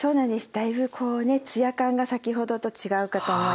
だいぶこうねツヤ感が先ほどと違うかと思います。